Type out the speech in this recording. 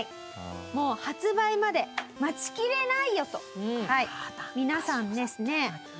「もう発売まで待ちきれないよ」と皆さんですね